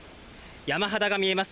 山肌が見えます。